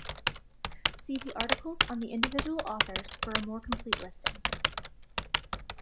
See the articles on the individual authors for a more complete listing.